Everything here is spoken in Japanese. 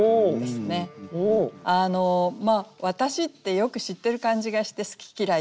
「私」ってよく知ってる感じがして好き嫌いとかね